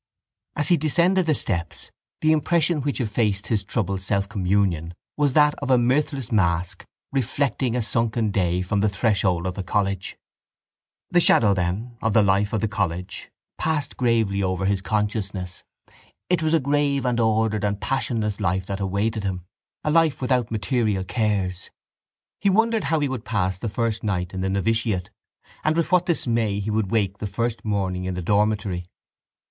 As he descended the steps the impression which effaced his troubled selfcommunion was that of a mirthless mask reflecting a sunken day from the threshold of the college. The shadow, then, of the life of the college passed gravely over his consciousness. It was a grave and ordered and passionless life that awaited him, a life without material cares. He wondered how he would pass the first night in the novitiate and with what dismay he would wake the first morning in the dormitory.